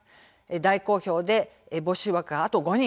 「大好評で募集枠があと５人」